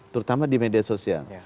terutama di media sosial